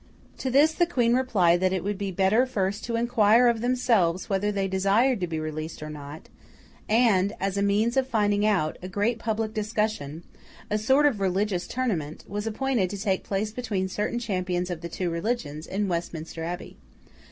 To this, the Queen replied that it would be better first to inquire of themselves whether they desired to be released or not; and, as a means of finding out, a great public discussion—a sort of religious tournament—was appointed to take place between certain champions of the two religions, in Westminster Abbey.